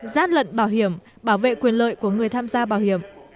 gian lận bảo hiểm bảo vệ quyền lợi của người tham gia bảo hiểm